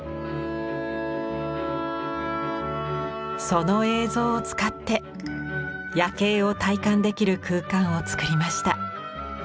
その映像を使って「夜警」を体感できる空間を作りました。